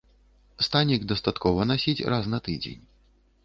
Станік дастаткова насіць раз на тыдзень.